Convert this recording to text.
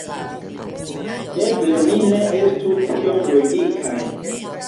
Eble ni ne estu tiom logikaj.